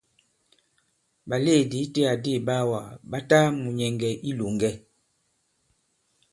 Ɓàlèedì itẽ adi ìɓaawàgà ɓa ta mùnyɛ̀ŋgɛ̀ i ilòŋgɛ.